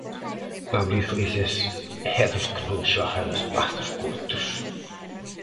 Pablo Iglesias é dos que non xoga en espazos curtos.